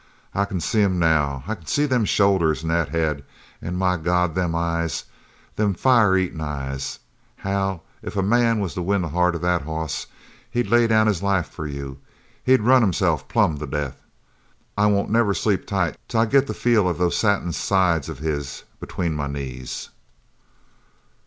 "I c'n see him now. I c'n see them shoulders an' that head an', my God! them eyes them fire eatin' eyes! Hal, if a man was to win the heart of that hoss he'd lay down his life for you he'd run himself plumb to death! I won't never sleep tight till I get the feel of them satin sides of his between my knees."